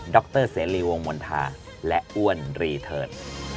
ด๊อคเตอร์เสรีวงมณฑาและอ้วนรีเทิร์น